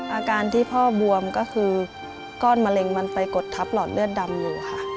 อาการที่พ่อบวมก็คือก้อนมะเร็งมันไปกดทับหลอดเลือดดำอยู่ค่ะ